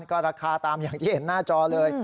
ก็ราคาตามอย่างที่เห็นหน้าจอเลย